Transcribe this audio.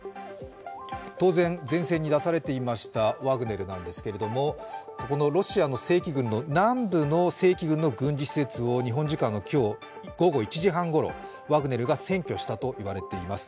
当然、前線に出されていましたワグネルなんですけれども、ここのロシアの南部の正規軍の軍事施設を日本時間の今日午後１時半ごろワグネルが占拠したといわれています。